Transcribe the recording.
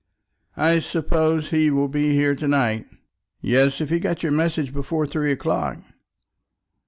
"I suppose he will be here to night?" "Yes, if he got your message before three o'clock."